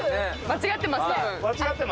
間違ってます